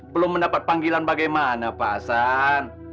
belum mendapat panggilan bagaimana pak hasan